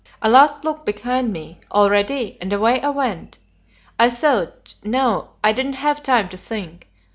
A last look behind me: "All ready?" and away I went. I thought no; I didn't have time to think.